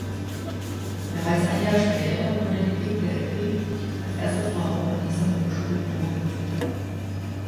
Bereits ein Jahr später wurde Hedwig Delpy als erste Frau an dieser Hochschule promoviert.